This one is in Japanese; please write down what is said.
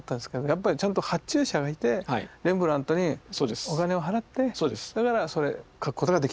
やっぱりちゃんと発注者がいてレンブラントにお金を払ってだからそれ描くことができた。